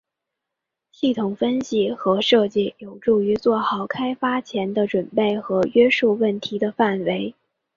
系统分析和设计有助于做好开发前的准备和约束问题的范围。